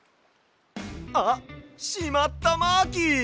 あっしまったマーキー！